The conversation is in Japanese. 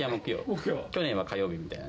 去年は火曜日みたいな。